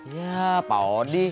iya pak odi